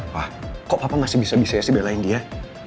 wah kok apa masih bisa bisa ya sih belain dia